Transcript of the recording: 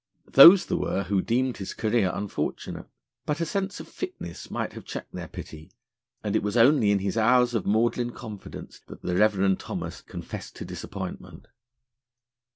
Those there were who deemed his career unfortunate; but a sense of fitness might have checked their pity, and it was only in his hours of maudlin confidence that the Reverend Thomas confessed to disappointment.